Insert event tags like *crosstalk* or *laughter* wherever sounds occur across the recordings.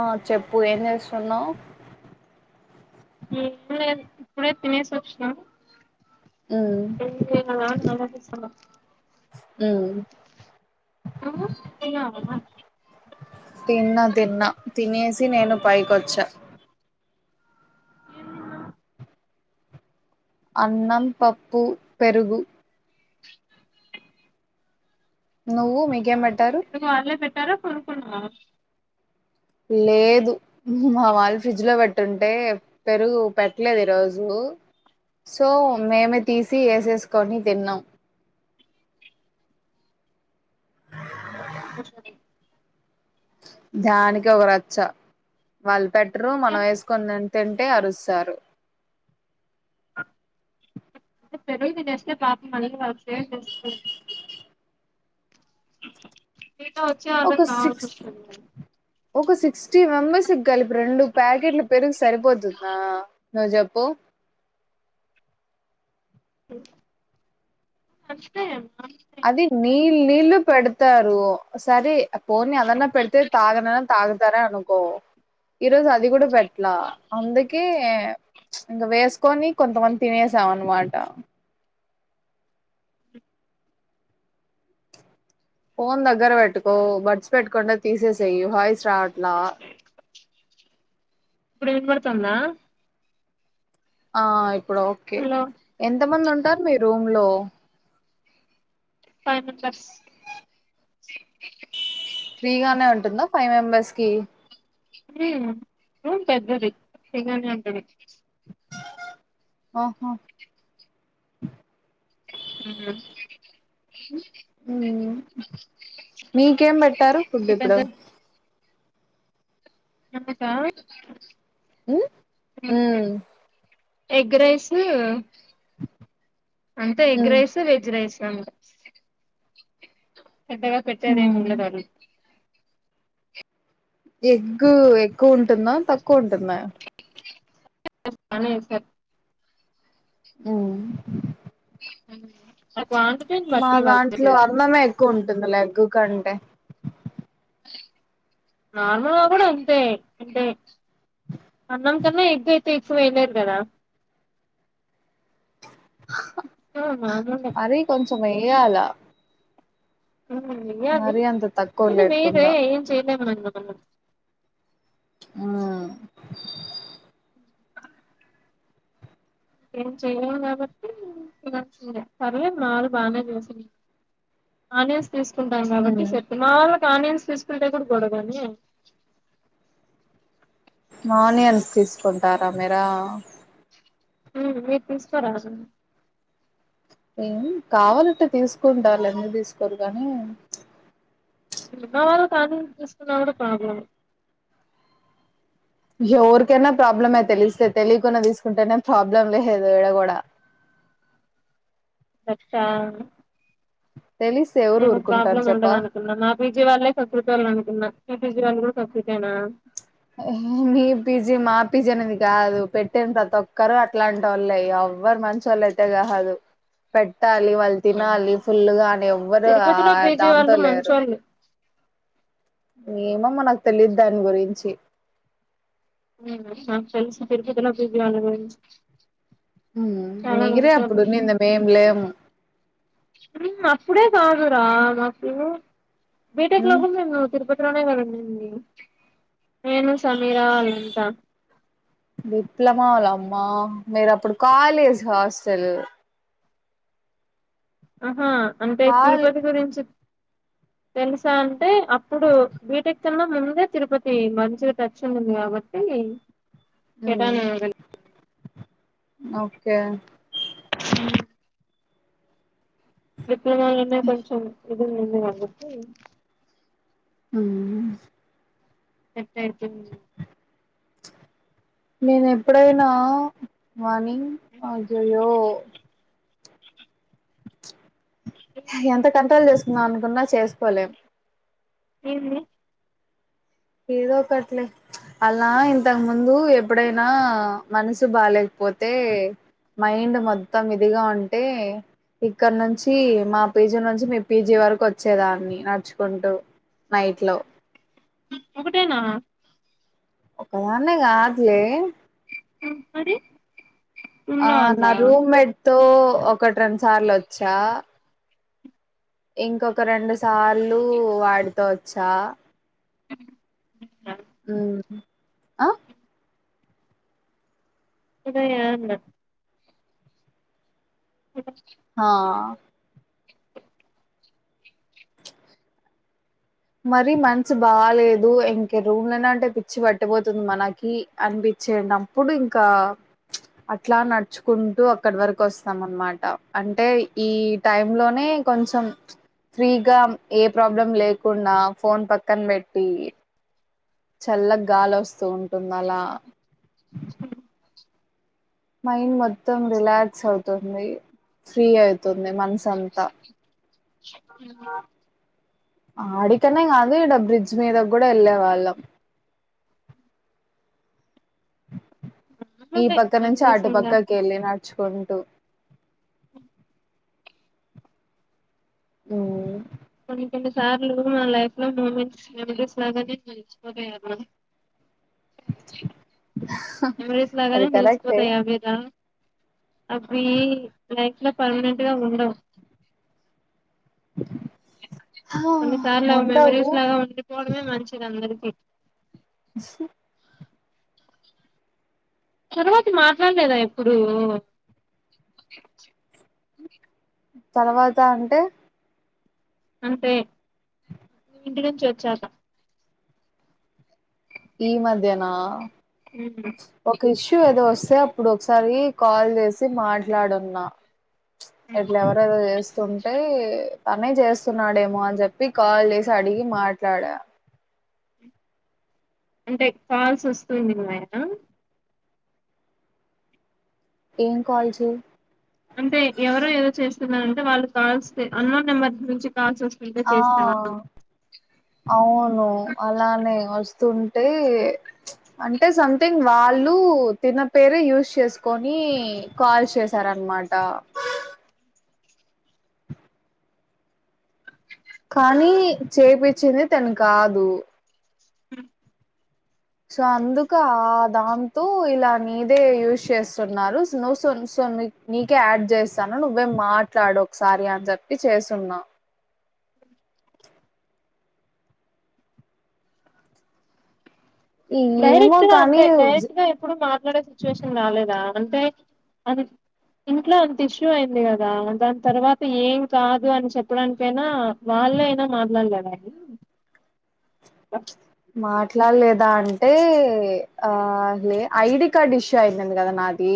ఆ చెప్పు ఏం చేస్తున్నావ్ ఇప్పుడే ఇప్పుడే తినేసి వచ్చినా ఉమ్ ఎం చేసినవా అని గొడవ కోస్తున్నా ఉమ్ నువ్వు తిన్నావా తిన్నా తిన్నా తినేసి నేను పైకొచ్చా ఏ అన్నం పప్పు పెరుగు నువ్వు నిజమే ఇంతకు వాళ్ళే పెట్టార కొనుకున్నావా లేదు మా వాళ్ళు ఫ్రిడ్జ్ లో పెట్టుంటే పెరుగు పెట్టలేదు ఈ రోజు కు సో నేను తీసి ఏసేసుకోని తిన్నా ఇంగ్లీషు మీడియం దానికే ఓ రచ్చ వాళ్ళు పెట్టరు మనం అంటే వేసుకుని తింటుంటే అరుస్తారు *inaudible* పెరుగు తినేస్తే పాపం మనకి వాళ్ళకి సేవ్ చేస్త ఐతే వచ్చే ఒక వాళ్ళకి సిక్స్ కావల్సొస్తధి కదా ఒక సిక్స్టీ మెంబెర్స్కీ కలిపి రెండు ప్యాకెట్లు పెరుగు సరిపోతుందా నూజెప్పు మరచిపోయాను అది నీళ్ నీళ్ళు పెడతారు సరే పోని అదన్న పెడితే తాగనన్న తాగుతారే అనుకో ఈరోజు అది కూడా పెట్లా అందుకే ఇంక వేసుకొని కొంతమంది తినేసి స అనమాట ఫోన్ దగ్గర పెట్టుకో బడ్స్ పెట్టకుండా తీసేసేయి వాయిస్ రావట్లా ఇప్పుడు వినపడుతుందా ఆ ఇప్పుడు ఓకే హలో ఎంత మంది ఉంటారు మీ రూమ్ లో ఫై మెంబర్స్ ఫ్రీ గానే ఉంటుందా ఫై మెంబెర్స్ కి హూమ్ రూమ్ పెద్దది ఫ్రీ గానే ఉంటది అహా హూమ్ హుమ్ మీకేం పెట్టారు ఫుడ్డు ఇది ఇప్పుడు పెద్దది మనకా హు హుమ్ ఎగ్ రైస్ అంటే egg um rice veg rice ఉ పెద్దగా పెట్టదేం ఉమ్. ఉండదు ఆళ్లు ఎగ్గు ఎక్కువ ఉంటుందా తక్కువ ఉంటుందా ఎగ్ బానే యేసారు హూమ్ హూ అ మా దాంట్లో అన్నమే ఎక్కువ ఉంటుంది లే ఎగ్గు కంటే నార్మల్గా కూడా ఇంతే అంటే అన్నాం కన్నా ఎగ్గైతే ఎక్కువ వెయలేరు కదా ఏమో బాగుండే మెయ్యాలా హూమ్ వెయ్యాలి తక్కువ కాని వేయ్ రే లేకుండా ఏం చేయలేము మనం హూమ్ ఏం చేయరు కాబట్టి తినాల్సిందే పర్లేేదు మా వాళ్ళు బానే చేసిన ఆనియన్స్ తీసుకుంటాం కాబట్టి చెప్పినా మా వాళ్ళు ఉత్త ఆనియన్స్ తీసుకుంటే కూడా గొడవనే ఆనియన్స్ తీసుకుంటారా మీరా హుమ్ మీరు తీసుకోరా ఏం కావాలంటే తీసుకుంటారులే ఎందుకు తీసుకోరు గానీ ఉన్న వాళ్ళు కానీ తీసుకున్నా కూడా ప్రాబ్లమే ఎవరికైనా ప్రాబ్లమే తెలిస్తే తెలియకుండా తీసుకుంటేనే ప్రాబ్లం లేదు ఇడ కూడా అచ్ఛా తెలిస్తే ఎవరు నేను ఊరుకుంటారు ప్రాబ్లమ్ ఉండదు చెప్ప అనుకున్నా మా పీజీ వాళ్ళే కకృతోళ్లు అనుకున్నా మీ పిజి వాళ్ళు కూడా కకృతేన మీ పీజీ మా పీజీ అనేది కాదు పెట్టిన ప్రతి ఒక్కరు అట్లాంటోల్లే ఎవ్ ఎవ్వరు మంచొలయితే కాదు పెట్టాలి వాళ్ళు తినాలి ఫుల్గా అని ఎవ్వరు ఆ తిరుపతిలో పీజీ దాంతో వాళ్ళు లేరు మంచోళ్ళు ఏమో మనకి తెలిదు దాని గురించి మ్ నాకు తెలిసి తిరుపతి లో *unintelligible* మీకురే అప్పుడు ఉన్నింది మేమ్ లేము ఇప్పుడే కాదురా మాకు బేటెక్ లో కూడా మేం తిరుపతి త్రమే కదా ఉన్నింది నేను సమీరా వాళ్ళంతా మావలు అమ్మా మీరు అప్పుడు కాలేజ్ హాస్టల్ ఆహా అంటే కాల్ తిరుపతి గురించి తెలుసా అంటే అప్పుడు బీటెక్ కన్నా ముందే తిరుపతి మంచిగా టచ్ ఉన్నింది కాబట్టి తీ కటాను ఓకే డిప్లొమాలో అయిన కొంచెం ఇది ఉన్నింది కాబట్టి మ్ కట్ అయితే మేం ఎప్పుడైనా మార్నింగ్ అ జయో ఎంత కంట్రోల్ చేసుకుందాం అనుకున్నా చేసుకోలేం ఎమ్మే ఏదో ఒకట్లే అలా ఇంతకు ముందు ఎప్పుడైనా మనసు బాేలేకపోతే మైండ్ మొత్తం ఇదిగా ఉంటే ఇక్కడి నుంచి మా పీజీ నుంచి మీ పీజీ వరకు వచ్చేదాన్ని నడుచుకుంటూ నైట్ లో ఒకటేనా ఒకదాన్నే కాదులే మరి ఆ రూమ్లో వాళ్ళ నా రూమ్మేట్ తో ఒకటి రెండు సార్లు వచ్చా ఇంకొక రెండు సార్లు వాడితో వచ్చా హు ఆ అదాన్నా హాఆ మరి మనస్సు బాలేదు ఇంక రూమ్లనే అంటే పిచ్చి పట్టిపోతుంది మనకి అనిపిి చేనప్పుడు ఇంకా అట్లా నడుచుకుంటూ అక్కడి వరకు వస్తాం అనమాట అంటే ఈ టైమ్ లోనే కొంచెం ఫ్రీగా ఏ ప్రాబ్లం లే కున్నా ఫోన్ పక్కన పెట్టి చల్లగా గాలి వస్తూ ఉంటుంది అలా మైండ్ మొత్తం రిలాక్స్ అవుతుంది ఫ్రీ అయి తుంది మనసంతా ఆడికనే కాదు ఇడా బ్రిడ్జ్ మీదకు కూడా వెళ్ళే వాళ్ళం ఈ పక్క నుంచి మెమరీస్ ఆటు ఇంగా పక్కకి వెళ్ళిన చ్చుకుంటూ హుమ్ కొన్ని కొన్ని సార్లు మా లైఫ్ లో మూమెంట్స్ మెమరీస్ లాగానే నర్చిపోతాయవి మెమోరీస్ అది లాగానే కరెక్టే తెలిసిపోతాయ్ అబిద అవ్వి లైఫ్ ల పర్మనెంట్ గా ఉండవు *inaudible* హా, కొన్ని సార్లు ఉండవు మెమరీస్ లాగా ఉండిపోవడమే మంచిది అందరికీ స తరువాత మాట్లాడలేదా ఎప్పుడు తర్వాత అంటే అంటే ఇంటి నుంచి వచ్చాలా ఈ మధ్యన ఒక ఇష్యూ ఏదో వస్ స్తే అప్పుడు ఒకసారి కాల్ చేసి మాట్లాడున్నా ఇట్లా ఎవరేదో చేస్తుంటే తనే చేస్తున్నాడేమో అని చెప్పి కాల్ చేసి అడిగి మాట్లాడా. అంటే కల్స్ వస్తు ఉన్నాయా ఏం కాల్సు అంటే ఎవరో ఏదో చేస్తున్నారంటే వాళ్ళు కాల్స్ అన్లోన్ నెంబర్ నుంచి కాల్స్ వస్తుంటే ఆ చేసావా అవును అలానే వస్తుం టే అంటే సంథింగ్ వాళ్ళు తిన పేరే యూజ్ చేసుకొని కాల్స్ చేసారన్నమాట కానీ చేపిచ్చింది తను కాదు *inaudible* సో అందుక దాంతో ఇలా నీదే యూజ్ చేస్తున్నారు నో సోన్ ీ నీకే యాడ్ చేస్తాను నువ్వే మాట్లాడు ఒకసారి అని చెప్పి చేసిన్నా ఏమో డైరెక్ట్ గా కానీ అంటే డైరెక్ట్ గా ఎప్పుడు మాట్లాడే సిచ్యువేషన్ రాలేదా అంతే అది ఇంట్లో అంత ఇష్యూ అయింది కదా, దాని తర్వాత ఏం కాదు అని చెప్పడానికైనా బా అల్ ఏన మాట్లాలద ఏ మాట్ ట్లా లేదా అంటే, ఆ లే ఐడి కార్డ్ ఇష్యూ అయింది అంట కదా నాది.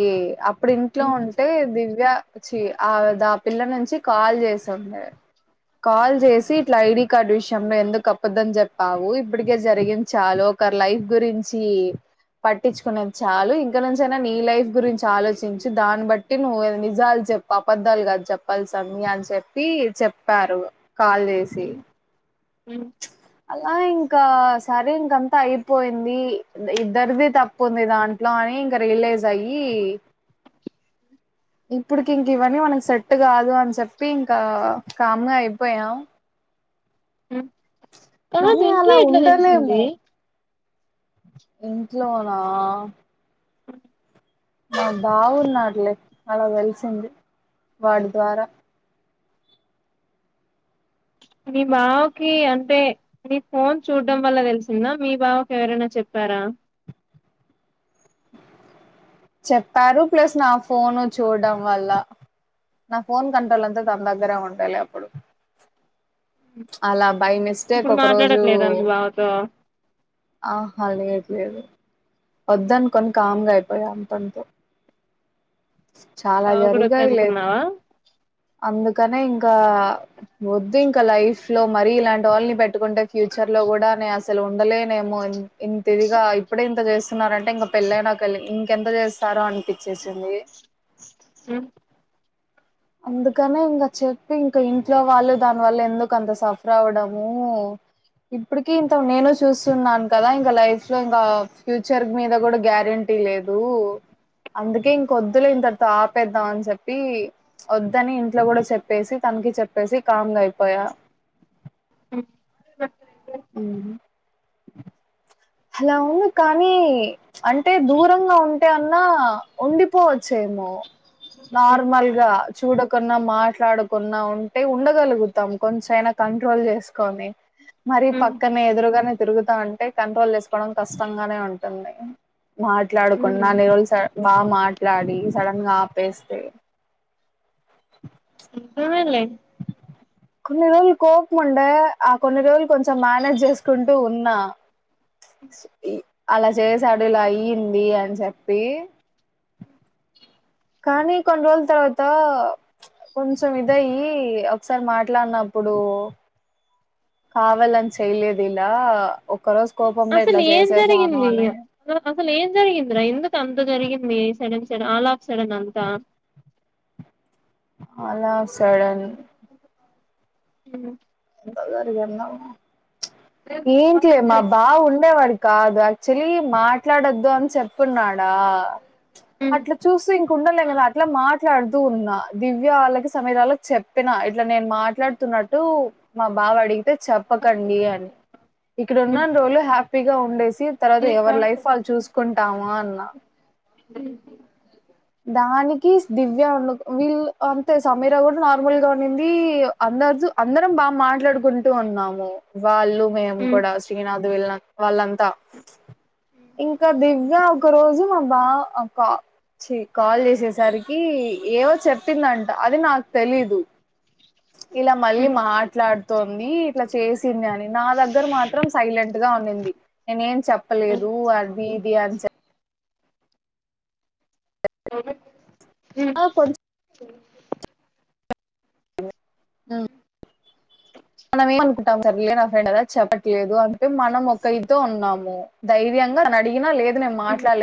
ఇప్పుడు ఇంట్లో ఉమ్, ఉంటే దివ్య చి, ఆ ద ఆ పిల్ల నుంచ్ చి కాల్ చేసంమే, కాల్ చేసి ఇట్ల ఐడి కార్డు విషయంలో ఎందుకు కప్పదం జెప్ తావు ఇప్పటికే జరిగంది చాలు, ఒకరి లైఫ్ గురించి పట్టించుకునేది చాలు ఇంక నుంచి అయినా నీ లైఫ్ గురించి ఆలోచించు, దాన్ని బట్టి నువ్వు నిజాలు చెప్ అబద్ధాలు కాదు చెప్పల్సింది అని చెప్పి చెప్పారు కాల్ చేసి. ఉమ్, ఉమ్ అలా ఇంకా సరే ఇంకంత అయిపోయింది, ఇద్దరిది తప్పు ఉంది దాంట్లో అ నే ఇంక రియలైజ్ అయ్యి ఇప్పుడుకి ఇంకివన్నీ మనకు సెట్టు కాదు అని చెప్పి ఇంకా, కామ్గా అయిపోయాం. ఉమ్. కాదు కానీ ఇంట్లో అలా ఎట్లా తెలిసింది ఉండలేము. ఇంట్లోనా న బావున్నాడ్లె అలా వెలిసింది వాడి ద్వారా. *inaudible* మీ బావకి అంటే మీ ఫోన్ చూడ్డం వల్ల తెలిసిందా, మీ బావకి ఎవరైనా చెప్ చెప్పారా చెప్పారు ప్లస్ నా ఫోను చూడడం వల్ల. నా ఫోన్ కంట్రోల్ అంతా తన దగ్గరే ఉండాయిలె అప్పుడు, అలా బై మిస్టేక్ ఇప్పుడు ఒకరోజు, మాట్లాడట్లేదా మీ బావతో ఆహ లేదులేదు వద్దనకొని కామ్గా అయిపోయా అంతంటితో మీ చాలా బావ కూడా జరిగాయిలే వద్దనుకున్నావా అందుకనే ఇంకా వద్దు ఇంకా లైఫ్ లో మరీ ఇలాంటి వాళ్ళని పెట్టుకుంటే ఫ్యూచర్ లో గుడ నే అసలు ఉండలేనేమో ఇంత్ ఇంతిదిగా ఇప్పుడే ఇంత చేస్ న్నారంటే ఇంగ పెళ్ళై నాక ఇంకెంత చేస్తారో అనిపిచ్చేసింది. ఉమ్ అందుకనే ఇంగ చెప్పి ఇంక ఇంట్లో వాళ్ళు దానివల్ల ఎందుకు అంత సఫర్ అవ్వడము ఇప్పటికి ఇంత నేను చూస్తున్నాను కదా ఇంక లైఫ్ లో ఇంకా, ఫ్యూచర్ మీద గుడ గ్యారెంటీ తీలేదు అందుకే ఇంకొద్దులే ఇంతటితో ఆపేద్దాం అని చెప్పి వద్దని ఇంట్ల కూడా చెప్పేసి, తనకి చెప్పేసి, కామ్గా అయిపోయా. ఉమ్ లవ్వు కానీ అంటే దూరంగా ఉంటే అన్నా ఉండిపోవచ్చేమో. నార్మల్గా చూడకున్నా మాట్లాడుకున్నా ఉంటే ఉండగలుగుతాం కొంచె అయినా కంట్రోల్ చేసుకొని మరి పక్కనే ఎదురుగానే తిరుగుతా ఉంటే కంట్రోల్ చేస్తు కష్టంగానే ఉంటుంది మాట్లాడుకుండా అన్ని రోజులు సడన్ బాగా మా లాడి సడెన్గాపేస్తే నువ్వేం లే కొన్ని రోజులు కోపముండే, ఆ కొన్ని రోజులు కొంచెం మేనేజ్ చేసుకుంటూ ఉన్నా అలా చేసాడు ఇలా అయ్యింది అని చెప్పి. కానీ కొన్ని రోజుల తర్వాత కొంచెం ఇదయ్యి ఒకసారి మాట్లాడినప్పుడు కావలన్ చెయ్లేదిలా అసలు ఏం జరిగింది, అసలు ఏం జరిగిందిరా ఎందుకు అంత్ ఇంత జరిగింది సడన్ స ఆలా ఆఫ సడెన్ అంతా. అల్ ఆర్ సడన్ ఉమ్ ప్చ్ ఉమ్, ఏంటియే మా బావ ఉండేవాడి అదీ యాక్చువలీ మాట్లాడొద్దు అని చెప్పున్నాడా ఉమ్. అట్లా చూసి ఇం ఉండలే కదా అట్లా మాట్లాడుతూ ఉన్నా దివ్యవాళ్ళకి సమీరాలో చెప్పినా ఇట్లా నేను మాట్లాడుతున్నా న్నట్టూ మా బావ అడిగితే చెప్పకండి అని ఇక్కడ ఉన్నన్ని రోజులు హ్యాపీగా ఉండేసి తర్వాత ఎవరి లైఫ్ వాళ్ళు చూసుకుంటామా అన్నా దానికి దివ్య ఉండ వీళ్ళు అంతే సమీరా కూడా నార్మల్ గా ఉండిందీ అందరి అందరం బాగా మాట్లాడుకుంటూ ఉన్నాము వాళ్ళు మేము ఉమ్, కూడా శ్రీనాథ్ వెళ్ళిన వాళ్ళంతా ఇంకా దివ్య ఒక రోజు మా బావ క చి కాల్ చేసేసరికి ఏవో చెప్పిందంట అది నాకు తెలీదు ఇలా మళ్ళీ మాట్లాడుతోంది ఇట్లా చేసి సింది అని నా దగ్గర మాత్రం సైలెంట్ గా ఉన్నింది నేనే ఏం చెప్పలేదు అది ఇ ది అన్చెప్ చెప్ప *unintelligible* మ్ మనంఏవనుకు సర్లే నా ఫ్రెండ్ అదా చెప్పట్లేదు అంటే మనం ఒక ఇదితో ఉన్నాము ధైర్యంగాని అడిగినా లే దు నేను మాట్లాడలేదు